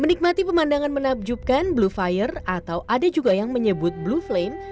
menikmati pemandangan menakjubkan blue fire atau ada juga yang menyebut blue flame